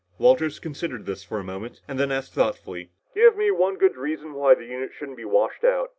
Walters considered this for a moment and then asked thoughtfully, "Give me one good reason why the unit shouldn't be washed out."